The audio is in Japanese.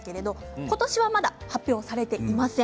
今年はまだ発表されていません。